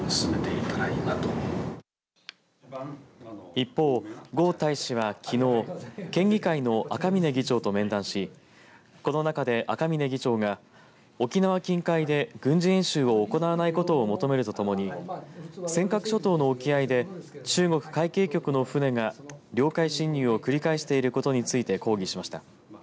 一方、呉大使はきのう県議会の赤嶺議長と面談しこの中で赤嶺議長が沖縄近海で軍事演習を行わないことを求めるとともに尖閣諸島の沖合で中国海警局の船が領海侵入を繰り返していることについて抗議しました。